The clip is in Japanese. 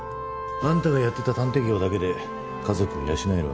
あんたがやってた探偵業だけで家族を養えるわけがない。